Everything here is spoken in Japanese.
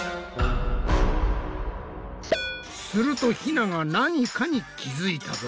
するとひなが何かに気付いたぞ！